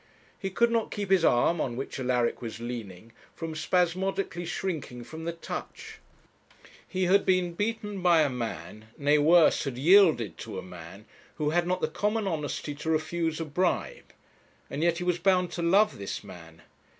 He could not keep his arm, on which Alaric was leaning, from spasmodically shrinking from the touch. He had been beaten by a man, nay worse, had yielded to a man, who had not the common honesty to refuse a bribe; and yet he was bound to love this man.